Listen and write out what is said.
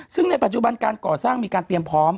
ซึ่งในปัจจุบันการก่อสร้างมีการเตรียมพร้อม